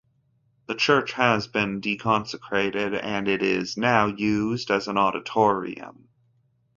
The church has been deconsecrated and it is now used as an auditorium.